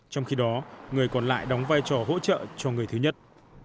trong khi đó người còn lại đóng vai trò hỗ trợ cho người thứ nhất